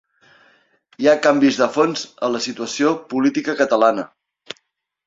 Hi ha canvis de fons en la situació política catalana.